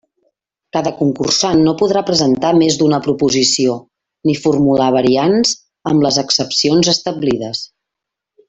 Cada concursant no podrà presentar més d'una proposició, ni formular variants, amb les excepcions establides.